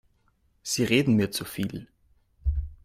Sie reden mir zu viel.